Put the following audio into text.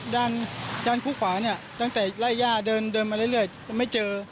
ด้านคู่ขวาเนี่ยตั้งแต่ไล่ย่าเดินมาเรื่อยไม่เจอ